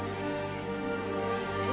え？